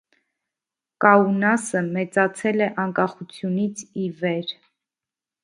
Կաունասը մեծացել է անկախությունից ի վեր։